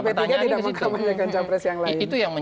pertanyaannya tidak mengkampanyekan capres yang lain